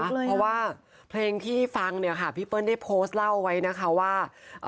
เพราะว่าเพลงที่ฟังเนี่ยค่ะพี่เปิ้ลได้โพสต์เล่าไว้นะคะว่า